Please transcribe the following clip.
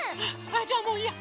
じゃあもういいや！